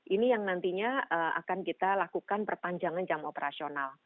ini yang nantinya akan kita lakukan perpanjangan jam operasional